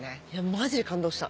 マジで感動した。